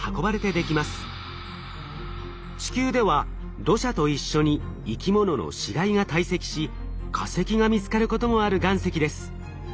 地球では土砂と一緒に生き物の死がいが堆積し化石が見つかることもある岩石です。